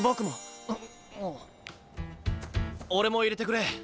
俺も入れてくれ。